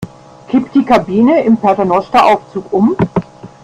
Kippt die Kabine im Paternosteraufzug um?